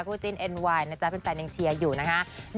คู่จิ้นเอ็นวายเป็นแฟนเองเชียร์อยู่นะคะ